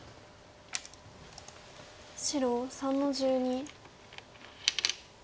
白３の十二。